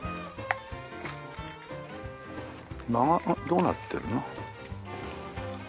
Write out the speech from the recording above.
どうなってるの？